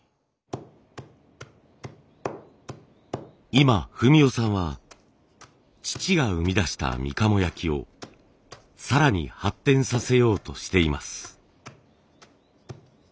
今文雄さんは父が生み出したみかも焼を更に発展させようとしています。